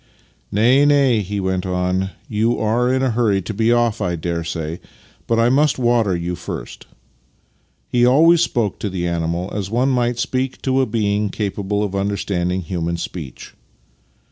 " Nay, nay," he went on. " You are in a hurry to be off, I daresay, but I must water you first," (he always spoke to the animal as one might speak to a being capable of understanding human speech).